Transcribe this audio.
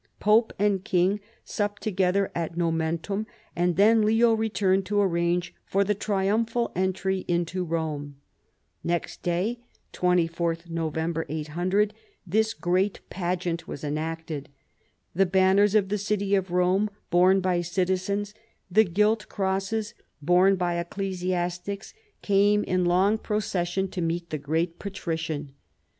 Pope and king supped together at Nomentum, and then Leo returned to arrange for the triumphal entry into Rome. Next day (24th November, 800) this great pageant was enacted. The banners of the city of Rome borne by citizens, the gilt crosses borne by ecclesiastics, came in long procession to meet CAROLUS AUGUSTUS. 257 the great Patrician.